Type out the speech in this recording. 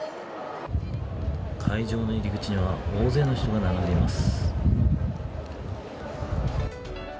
会場の入り口には大勢の人が並んでいます。